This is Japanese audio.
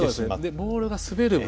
ボールが滑る分